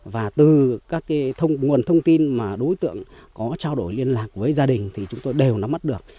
và từ các nguồn thông tin mà đối tượng có trao đổi liên lạc với gia đình thì chúng tôi đều nắm mắt được